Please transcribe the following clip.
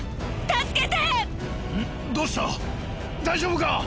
大丈夫か？